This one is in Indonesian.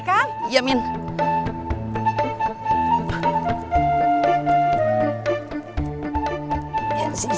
bagaimana kelen tetap jadi ramadhanyesen